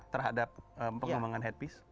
terhadap pengembangan headpiece